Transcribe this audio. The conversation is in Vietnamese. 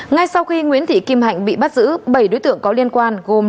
ngay sau khi nguyễn thị kim hạnh bị bắt giữ bảy đối tượng có liên quan gồm